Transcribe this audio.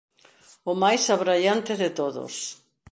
O máis abraiante de todos